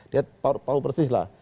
dia tahu persih lah